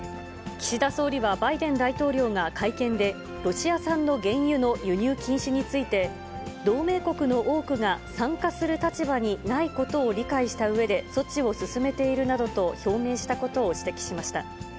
岸田総理はバイデン大統領が会見で、ロシア産の原油の輸入禁止について、同盟国の多くが参加する立場にないことを理解したうえで、措置を進めているなどと表明したことを指摘しました。